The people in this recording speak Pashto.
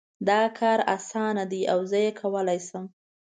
دا کار اسانه ده او زه یې کولای شم